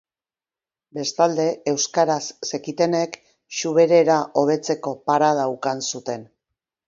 Bestalde, euskaraz zekitenek zuberera hobetzeko parada ukan zuten.